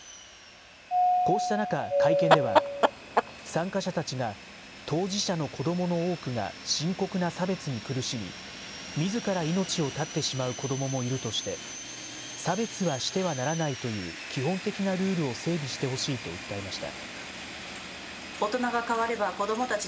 こうした中、会見では、参加者たちが当事者の子どもの多くが深刻な差別に苦しみ、みずから命を絶ってしまう子どももいるとして、差別はしてはならないという基本的なルールを整備してほしいと訴えました。